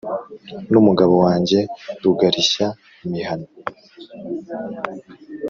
n’umugabo wanjye rugarishya–mihana